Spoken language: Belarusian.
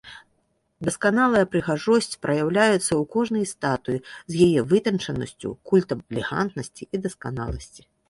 Дасканалая прыгажосць праяўляецца ў кожнай статуі з яе вытанчанасцю, культам элегантнасці і дасканаласці.